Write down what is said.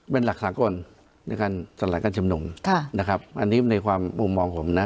เป็นหลักสากลในการสลายการชุมนุมนะครับอันนี้ในความมุมมองผมนะ